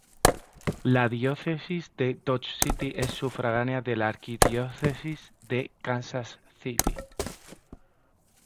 La Diócesis de Dodge City es sufragánea de la Arquidiócesis de Kansas City.